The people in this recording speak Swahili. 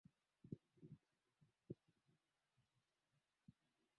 Kuna vipepeo kama vile Dadanesi na wengine wengi wenye rangi tofauti tofauti za kupendeza